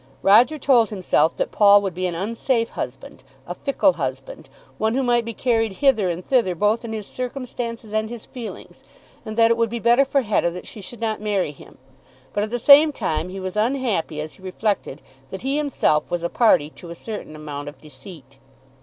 Roger told himself that Paul would be an unsafe husband, a fickle husband, one who might be carried hither and thither both in his circumstances and his feelings, and that it would be better for Hetta that she should not marry him; but at the same time he was unhappy as he reflected that he himself was a party to a certain amount of deceit.